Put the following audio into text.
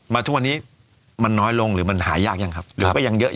มาทุกวันนี้มันน้อยลงหรือหายากหรือยังครับ